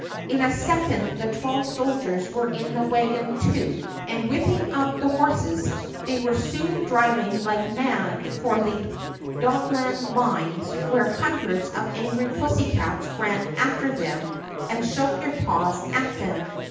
In a second the twelve soldiers were in the wagon too, and whipping up the horses they were soon driving like mad for the Dogland lines while hundreds of angry pussycats ran after them and shook their paws at them.